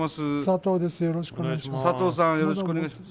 よろしくお願いします。